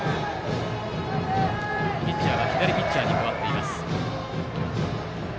ピッチャーが左ピッチャーに代わっています。